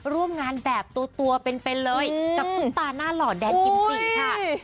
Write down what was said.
ร่วมงานแบบตัวเป็นเลยกับซุปตาหน้าหล่อแดนกิมจิค่ะ